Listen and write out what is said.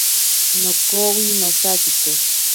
Nokowi nosakite.